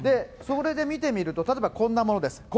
それで見てみると、例えば、こんなものです。